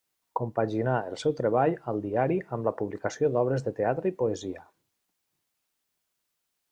Compaginà el seu treball al diari amb la publicació d'obres de teatre i poesia.